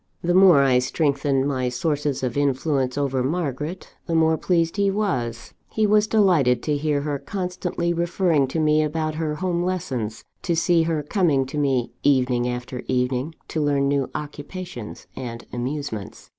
The more I strengthened my sources of influence over Margaret, the more pleased he was. He was delighted to hear her constantly referring to me about her home lessons; to see her coming to me, evening after evening, to learn new occupations and amusements.